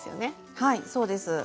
はいそうです。